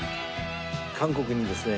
韓国にですね